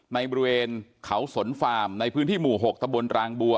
บริเวณเขาสนฟาร์มในพื้นที่หมู่๖ตะบนรางบัว